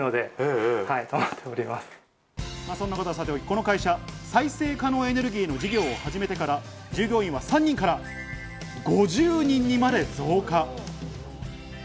この会社、再生可能エネルギーの事業を始めてから従業員は３人から５０人にまで増加。